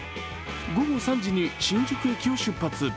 午後３時に新宿駅を出発。